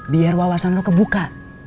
biar wawasan lu kebuka